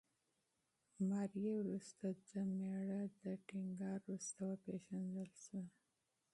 ماري وروسته د مېړه د ټینګار وروسته وپېژندل شوه.